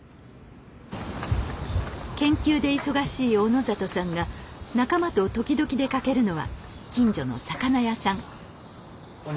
研究で忙しい小野里さんが仲間と時々出かけるのは近所の魚屋さん。